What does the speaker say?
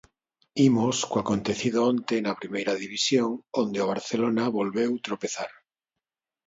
Imos co acontecido onte na Primeira División, onde o Barcelona volveu tropezar.